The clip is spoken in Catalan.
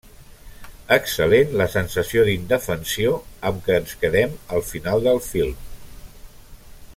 Excel·lent la sensació d'indefensió amb què ens quedem al final del film.